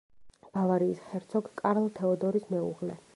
ბავარიის ჰერცოგ კარლ თეოდორის მეუღლე.